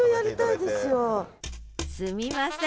すみません